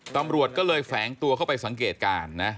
ตำรวจก็เลยแฝงตัวเข้าไปสังเกตการณ์นะ